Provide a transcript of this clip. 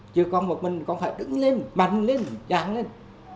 chứ con một mình con phải đứng lên mạnh lên chẳng lên